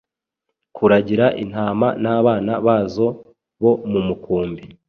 kuragira intama n’abana bazo bo mu mukumbi.